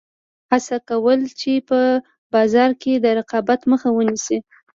هڅه کوله چې په بازار کې د رقابت مخه ونیسي.